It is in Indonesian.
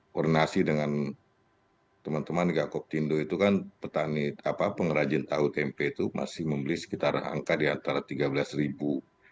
koordinasi dengan teman teman gakok tindo itu kan petani pengrajin tahu tempe itu masih membeli sekitar angka di antara tiga belas ribu